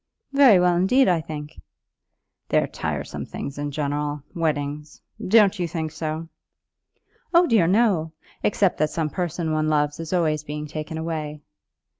"Very well indeed, I think." "They're tiresome things in general, weddings. Don't you think so?" "Oh dear, no, except that some person one loves is always being taken away."